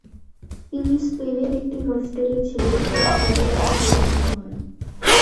তিনি স্পেনের একটি হোস্টেলে ছিলেন, এবং অবিলম্বে গ্রেপ্তার হন।